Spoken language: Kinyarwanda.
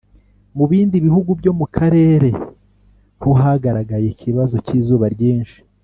mu bindi bihugu byo mu karere ho hagaragaye ikibazo cy’izuba ryinshi